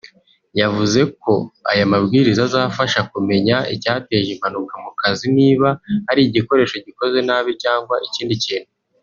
yavuze ko aya mabwiriza azafasha kumenya icyateje impanuka mu kazi niba ari igikoresho gikoze nabi cyangwa ikindi kintu